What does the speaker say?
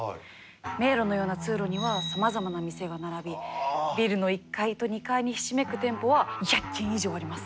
迷路のような通路にはさまざまな店が並びビルの１階と２階にひしめく店舗は２００軒以上あります。